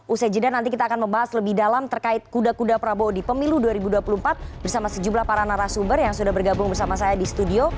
usai jeda nanti kita akan membahas lebih dalam terkait kuda kuda prabowo di pemilu dua ribu dua puluh empat bersama sejumlah para narasumber yang sudah bergabung bersama saya di studio